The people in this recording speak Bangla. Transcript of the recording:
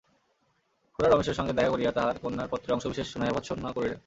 খুড়া রমেশের সঙ্গে দেখা করিয়া তাঁহার কন্যার পত্রের অংশবিশেষ শুনাইয়া ভর্ৎসনা করিলেন।